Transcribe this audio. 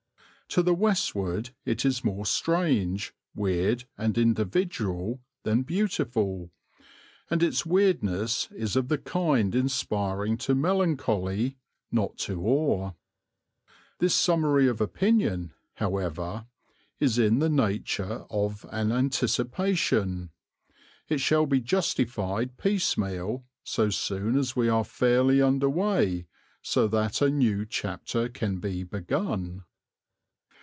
To the westward it is more strange, weird and individual than beautiful, and its weirdness is of the kind inspiring to melancholy, not to awe. This summary of opinion, however, is in the nature of an anticipation. It shall be justified piecemeal so soon as we are fairly under way so that a new chapter can be begun.